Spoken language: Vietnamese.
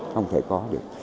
không thể có được